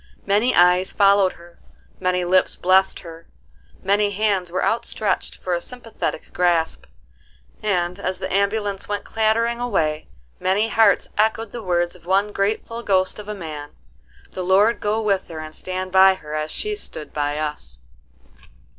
Many eyes followed her,—many lips blessed her, many hands were outstretched for a sympathetic grasp: and, as the ambulance went clattering away, many hearts echoed the words of one grateful ghost of a man, "The Lord go with her and stand by her as she's stood by us."